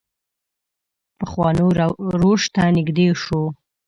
پخوانو روش ته نږدې شو.